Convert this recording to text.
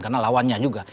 karena lawannya juga